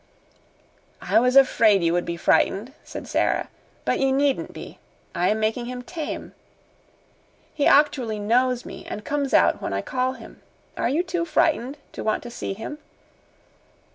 "I was afraid you would be frightened," said Sara. "But you needn't be. I am making him tame. He actually knows me and comes out when I call him. Are you too frightened to want to see him?"